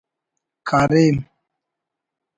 کاریم